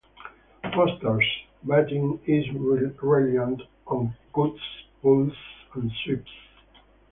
Foster's batting is reliant on cuts, pulls and sweeps.